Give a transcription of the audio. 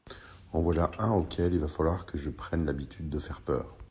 En voilà un auquel il va falloir que je prenne l'habitude de faire peur.